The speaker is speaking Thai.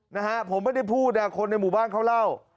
นะฮะผมไม่ได้พูดอ่ะคนในหมู่บ้านเขาเล่า